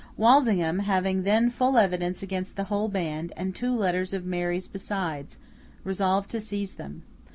Walsingham, having then full evidence against the whole band, and two letters of Mary's besides, resolved to seize them.